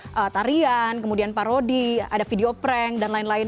terkenal karena ada video tarian kemudian parodi ada video prank dan lain lain